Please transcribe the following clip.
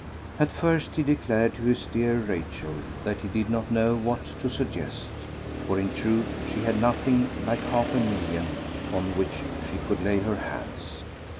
At first he declared to his dear Rachel that he did not know what to suggest, for in truth she had nothing like half a million on which she could lay her hands.